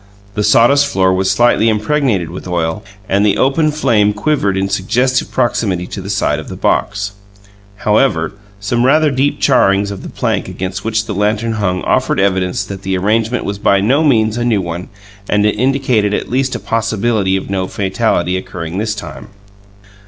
The sawdust floor was slightly impregnated with oil, and the open flame quivered in suggestive proximity to the side of the box; however, some rather deep charrings of the plank against which the lantern hung offered evidence that the arrangement was by no means a new one, and indicated at least a possibility of no fatality occurring this time.